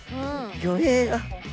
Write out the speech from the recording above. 魚影が。